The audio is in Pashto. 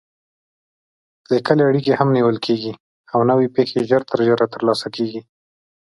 لیکلې اړیکې هم نیول کېږي او نوې پېښې ژر تر ژره ترلاسه کېږي.